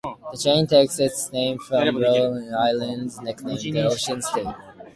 The chain takes its name from Rhode Island's nickname, "The Ocean State".